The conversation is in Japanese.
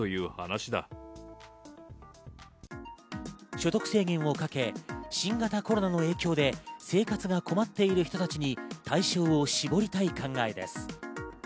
所得制限をかけ、新型コロナの影響で生活が困っている人たちに対象を絞りたい考えです。